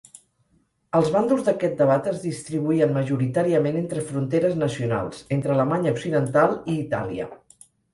Els bàndols d'aquest debat es distribuïen majoritàriament entre fronteres nacionals, entre Alemanya Occidental i Itàlia.